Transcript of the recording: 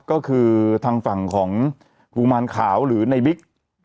ก็คือทางฝั่งของกุมารขาวหรือในบิ๊ก